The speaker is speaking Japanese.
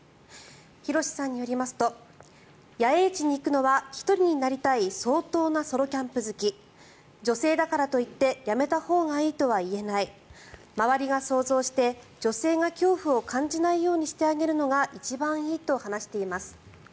ヒロシさんによりますと野営地に行くのは１人になりたい相当なソロキャンプ好き女性だからといってやめたほうがいいとは言えない周りが想像して女性が恐怖を感じないようにしてあげるのが一番いいと話しています。